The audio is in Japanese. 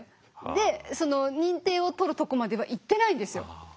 でその認定を取るとこまではいってないんですよ。